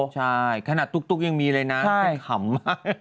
ใช่ขนาดตุ๊กยังมีเลยนะเป็นขำมาก